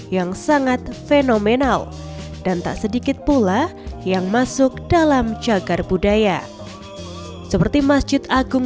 yang sangat fenomenal dan tak sedikit pula yang masuk dalam cagar budaya seperti masjid agung